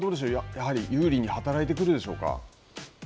やはり有利に働いてくるでしょうか。